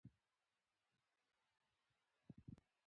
له نړۍ سره سیالي وکړئ.